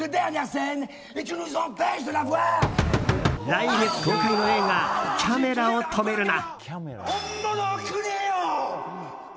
来月公開の映画「キャメラを止めるな！」。